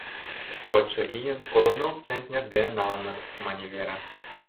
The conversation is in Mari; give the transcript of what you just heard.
— Кодшо ийын коло ныл центнер дене налыныт, — мане Вера.